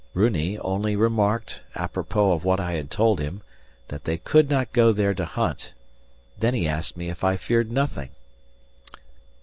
Runi only remarked, apropos of what I had told him, that they could not go there to hunt; then he asked me if I feared nothing.